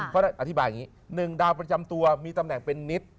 เขาอธิบายอย่างนี้๑ดาวประจำตัวมีตำแหน่งเป็นนิต